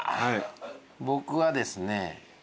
僕はですね。